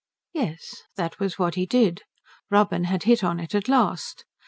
Yes, that was what he did; Robin had hit on it at last.